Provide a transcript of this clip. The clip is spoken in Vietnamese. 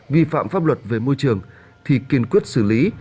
vi phạm pháp luật về môi trường thì kiên quyết xử lý